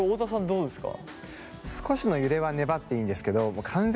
どうですか？